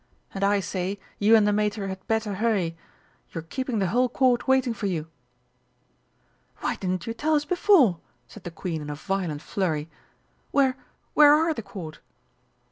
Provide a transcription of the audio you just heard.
And I say, you and the Mater had better hurry you're keeping the whole Court waiting for you!" "Why didn't you tell us before?" said the Queen in a violent flurry. "Where where are the Court?"